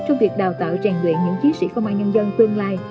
trong việc đào tạo tràn đuyện những chiến sĩ công an nhân dân tương lai